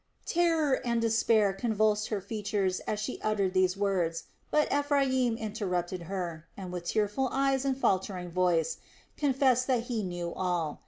Terror and despair convulsed her features as she uttered these words; but Ephraim interrupted her and, with tearful eyes and faltering voice, confessed that he knew all.